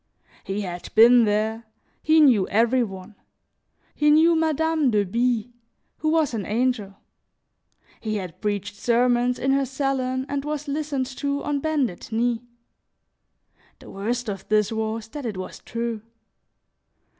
He had been there, he knew every one; he knew Madame de B , who was an angel; he had preached sermons in her salon and was listened to on bended knee. (The worst of this was, that it was true.)